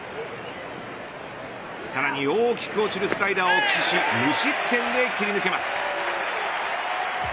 さらに大きく落ちるスライダーを駆使し無失点で切り抜けます。